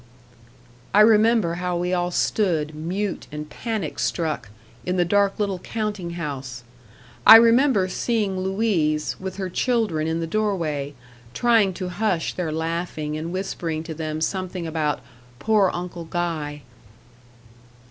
I remember how we all stood, mute and panic struck, in the dark little counting house. I remember seeing Louise, with her children in the door way, trying to hush their laughing, and whispering to them something about "poor Uncle Guy."